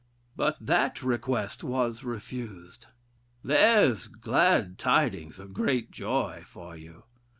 But that request was refused. There's 'glad tidings of great joy' for you!